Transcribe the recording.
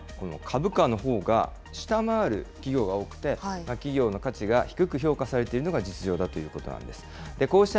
日本ではこの株価のほうが下回る企業が多くて、企業の価値が低く評価されているのが実情だということなんです。